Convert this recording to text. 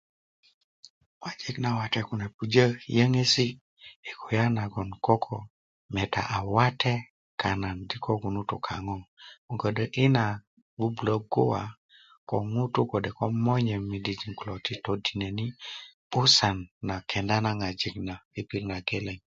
ŋojik nawate kune pujö yoŋesi ko kulya nagon koko meta a wate kana naŋ koko kunu tu kaŋö kokodo 'ban ti na bubulo guwa ko ŋutu kode ko monye midijin kulo ti todinikini 'busan na kenda na ŋojik na i pirit na geleŋ